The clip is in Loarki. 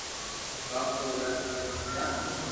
ھون ڪاو ڪرو يار تو مني ھمجاو